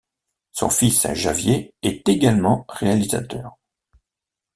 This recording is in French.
Son fils Javier est également réalisateur.